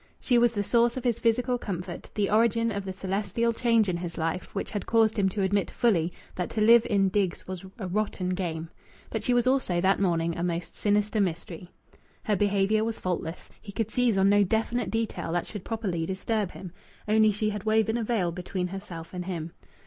She was the source of his physical comfort, the origin of the celestial change in his life which had caused him to admit fully that to live in digs was "a rotten game"; but she was also, that morning, a most sinister mystery. Her behaviour was faultless. He could seize on no definite detail that should properly disturb him; only she had woven a veil between herself and him.